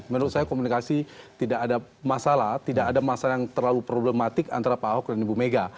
menurut saya komunikasi tidak ada masalah tidak ada masalah yang terlalu problematik antara pak ahok dan ibu mega